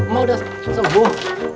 ma udah sembuh